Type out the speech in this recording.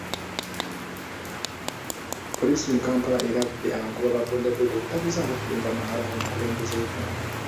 Poliisi mu Kampala erabudde abagoba ba bbooda bbooda obutagezaako kulumba maka g'omukulembeze w'eggwanga.